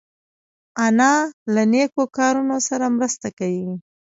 انا له نیکو کارونو سره مرسته کوي